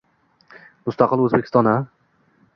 — Mustaqil O’zbekiston-a?